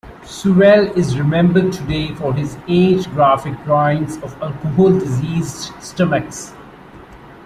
Sewell is remembered today for his eight graphic drawings of alcohol diseased stomachs.